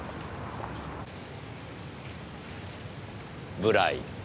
ブライ